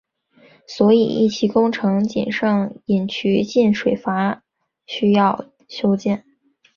所以一期工程仅剩引渠进水闸需要修建。